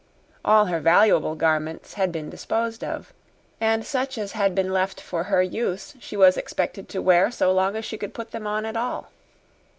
All her valuable garments had been disposed of, and such as had been left for her use she was expected to wear so long as she could put them on at all.